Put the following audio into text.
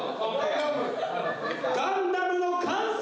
「何がガンダムの完成。